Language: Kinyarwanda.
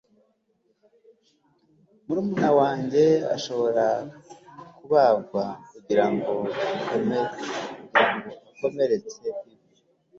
murumuna wanjye ashobora kubagwa kugirango akomeretse ivi